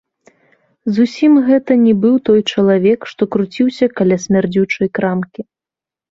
Зусім гэта не быў той чалавек, што круціўся каля смярдзючай крамкі.